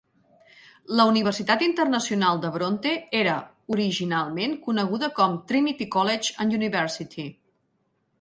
La Universitat Internacional de Bronte era originalment coneguda com "Trinity College and University".